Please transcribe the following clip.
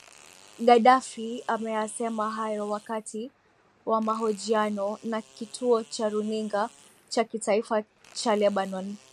gaddafi ameyasema hayo wakati wa mahojiano na kituo cha runinga cha kitaifa cha lebanon